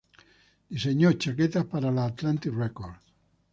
Diseñó chaquetas para la Atlantic Records.